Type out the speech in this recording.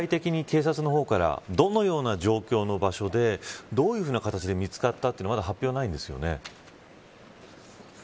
倉田さん、具体的に警察の方からどのような状況の場所でどういうふうな形で見つかったという発表はないですよね。